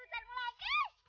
eh bukuran urusan